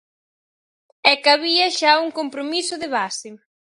É que había xa un compromiso de base.